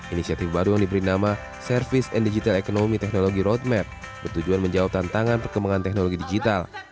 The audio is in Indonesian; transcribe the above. inisiatif baru yang diberi nama service and digital economy technology roadmap bertujuan menjawab tantangan perkembangan teknologi digital